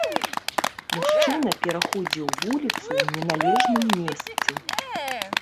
Мужчына пераходзіў вуліцу ў неналежным месцы.